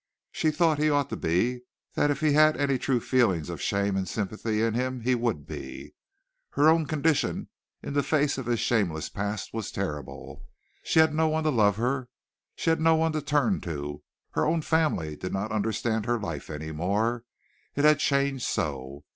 She thought he ought to be; that if he had any true feeling of shame and sympathy in him he would be. Her own condition in the face of his shameless past was terrible. She had no one to love her. She had no one to turn to. Her own family did not understand her life any more it had changed so.